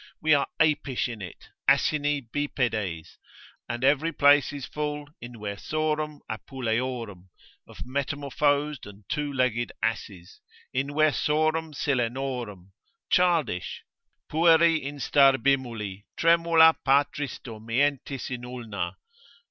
We are apish in it, asini bipedes, and every place is full inversorum Apuleiorum of metamorphosed and two legged asses, inversorum Silenorum, childish, pueri instar bimuli, tremula patris dormientis in ulna.